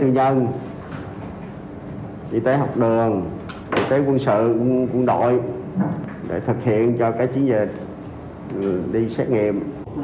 huy động các lực lượng y tế học đường y tế quân sự quân đội để thực hiện cho các chiến dịch đi xét nghiệm